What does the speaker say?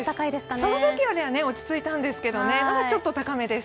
そのときよりは落ち着いたんですが、まだ高めです。